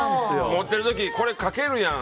持ってる時これかけるやん。